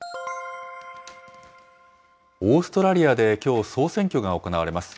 オーストラリアできょう、総選挙が行われます。